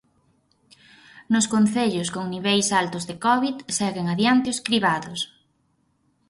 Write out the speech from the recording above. Nos concellos con niveis altos de covid seguen adiante os cribados.